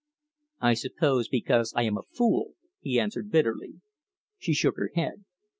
"I suppose because I am a fool," he answered bitterly. She shook her head.